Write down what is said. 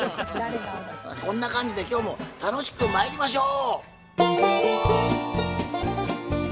こんな感じで今日も楽しくまいりましょう！